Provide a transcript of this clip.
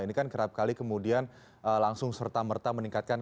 ini kan kerap kali kemudian langsung serta merta meningkatkan